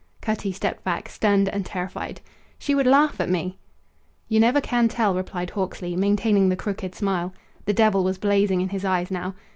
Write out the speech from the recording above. Cutty stepped back, stunned and terrified. "She would laugh at me!" "You never can tell," replied Hawksley, maintaining the crooked smile. The devil was blazing in his eyes now.